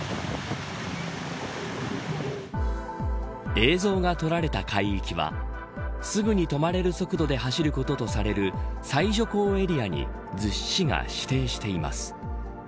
映像が撮られた海域はすぐに止まれる速度で走ることとされる最徐行エリアに逗子市が指定しています。